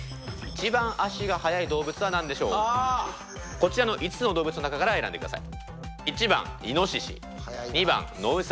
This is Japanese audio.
こちらの５つの動物の中から選んでください。